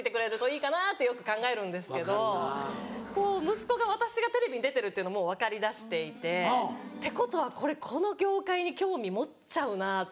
息子が私がテレビ出てるというのもう分かり出していて。ってことはこれこの業界に興味持っちゃうなと。